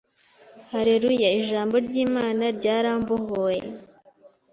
Haleluya ijambo ry ‘Imana ryarambohoye.